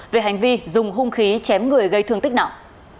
về hành vi dùng hung khí chém người gây thương tích nặng